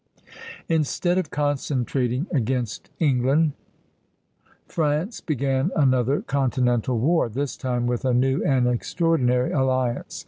Instead of concentrating against England, France began another continental war, this time with a new and extraordinary alliance.